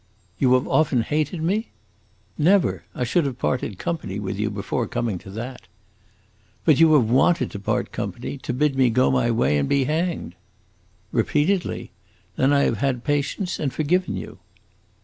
"You have often hated me?" "Never. I should have parted company with you before coming to that." "But you have wanted to part company, to bid me go my way and be hanged!" "Repeatedly. Then I have had patience and forgiven you."